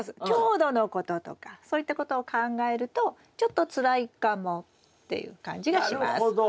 強度のこととかそういったことを考えるとちょっとつらいかもっていう感じがします。